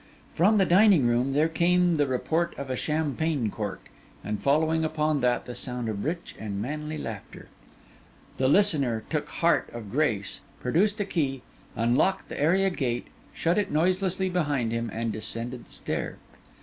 From the dining room there came the report of a champagne cork, and following upon that, the sound of rich and manly laughter. The listener took heart of grace, produced a key, unlocked the area gate, shut it noiselessly behind him, and descended the stair.